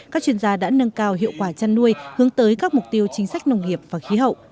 các chuyên gia đã nâng cao hiệu quả chăn nuôi hướng tới các mục tiêu chính sách nông nghiệp và khí hậu